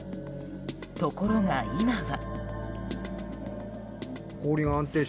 ところが、今は。